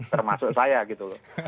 termasuk saya gitu loh